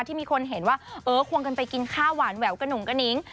ที่มีคนเห็นว่าเออควงกันไปกินข้าวหวานแหววกระหุงกระนิ้ง